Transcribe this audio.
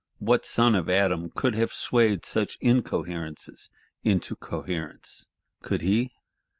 What son of Adam could have swayed such incoherences into coherence? Could he?